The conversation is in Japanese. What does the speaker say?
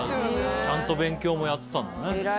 ちゃんと勉強もやってたんだね。